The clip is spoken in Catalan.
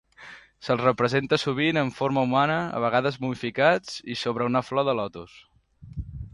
Se'ls representa sovint amb forma humana, a vegades momificats i sobre una flor de lotus.